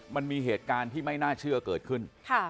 มันมีเหตุการณ์ที่ไม่น่าเชื่อเกิดขึ้น